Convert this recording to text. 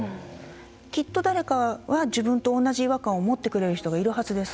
きっと誰かは自分と同じ違和感を持ってくれる人がいるはずです。